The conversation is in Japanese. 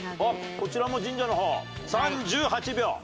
こちらも神社の方３８秒。